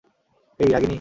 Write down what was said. এই, রাগিনী!